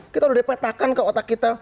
kita udah dipetakan ke otak kita